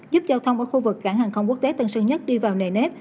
giúp giao thông ở khu vực cảng hàng không quốc tế tân sơn nhất đi vào nề nếp